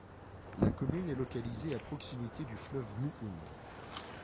La commune est localisée à proximité du fleuve Mouhoun.